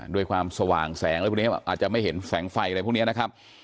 ด้วยความสว่างแสงอาจจะไม่เห็นแสงไฟอะไรพวกนี้นะครับ